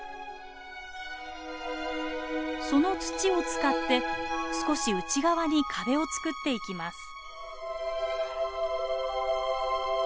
その土を使って少し内側に壁を作っていきます。